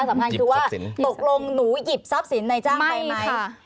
สำคัญคือว่าตกลงหนูหยิบทรัพย์สินในจ้างไปไหม